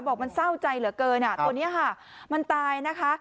บอกมันเศร้าใจเหลือเกินตัวนี้ค่ะมันตายนะคะ